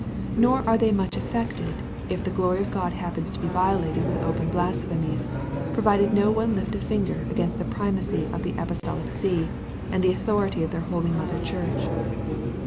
Nor are they much affected, if the glory of God happens to be violated with open blasphemies, provided no one lift a finger against the primacy of the Apostolic See, and the authority of their holy Mother Church.